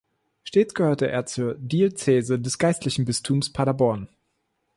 Stets gehörte er zur Diözese des geistlichen Bistums Paderborn.